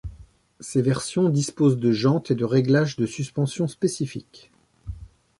Ces versions disposent de jantes et de réglages de suspension spécifiques.